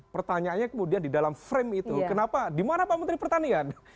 pertanyaannya kemudian di dalam frame itu kenapa di mana pak menteri pertanian